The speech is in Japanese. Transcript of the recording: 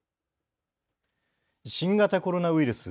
新型コロナウイルス。